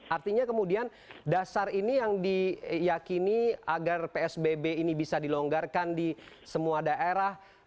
artinya kemudian dasar ini yang diyakini agar psbb ini bisa dilonggarkan di semua daerah